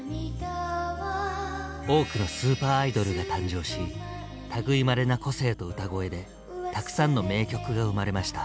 多くのスーパーアイドルが誕生し類いまれな個性と歌声でたくさんの名曲が生まれました。